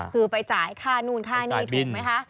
คือไปจ่ายค่านู่นค่านี่ถูกไหมคะ